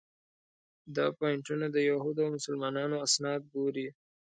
دا پواینټونه د یهودو او مسلمانانو اسناد ګوري.